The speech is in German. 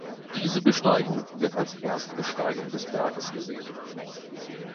Diese Besteigung wird als Erstbesteigung des Berges gesehen.